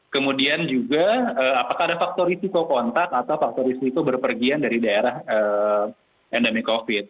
kemudian juga apakah ada faktor risiko kontak atau faktor risiko berpergian dari daerah endemi covid